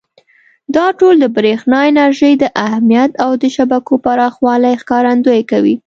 دا ټول د برېښنا انرژۍ د اهمیت او د شبکو پراخوالي ښکارندویي کوي.